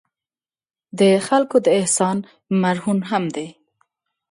د خلکو د احسان مرهون هم دي.